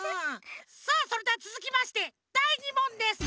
さあそれではつづきましてだい２もんです。